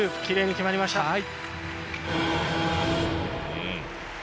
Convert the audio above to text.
キレイに決まりました。